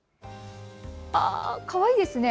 かわいいですね。